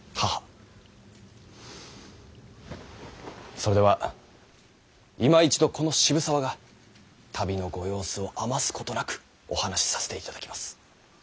それではいま一度この渋沢が旅のご様子を余すことなくお話しさせていただきます。